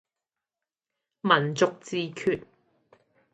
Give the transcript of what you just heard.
民族自決